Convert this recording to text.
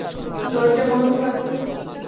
দরজা বন্ধ রাখুন।